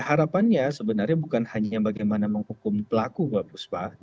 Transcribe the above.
harapannya sebenarnya bukan hanya bagaimana menghukum pelaku mbak buspa